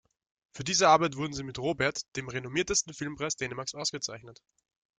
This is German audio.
Für diese Arbeit wurden sie mit dem Robert, dem renommiertesten Filmpreis Dänemarks ausgezeichnet.